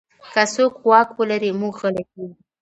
که څوک واک ولري، موږ غلی کېږو.